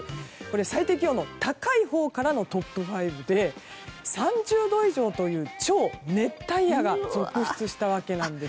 最低気温の高いほうからのトップ５で３０度以上という超熱帯夜が続出したんです。